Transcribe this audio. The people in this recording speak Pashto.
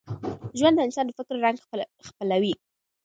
ژوند د انسان د فکر رنګ خپلوي.